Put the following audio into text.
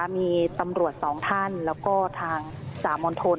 มีตำรวจ๒ท่านแล้วก็ทางสามอนทน